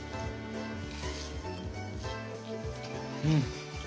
うん。